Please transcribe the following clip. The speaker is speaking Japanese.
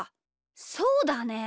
そうだね！